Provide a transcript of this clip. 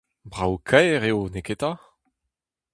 Brav-kaer eo, neketa !